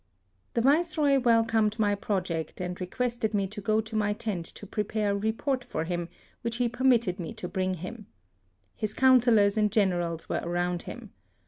THE SUEZ CANAL. 13 The Viceroy welcomed my project, and requested me to go to my tent to prepare a report for him, which he permitted me to bring him. His councillors and generals were around him.